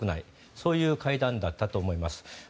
そういう会談だったと思います。